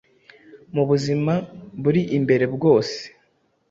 mu buzima buri imbere.bwose”